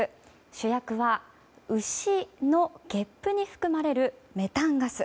主役は、牛のゲップに含まれるメタンガス。